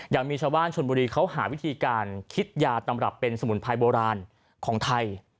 ยังมีชาวบ้านชนบุรีเขาหาวิธีการคิดยาตำรับเป็นสมุนไพรโบราณของไทย